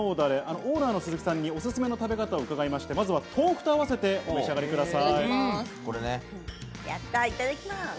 オーナーの鈴木さんにおすすめの食べ方、伺いまして、まずは豆腐と合わせて、お召し上がりください。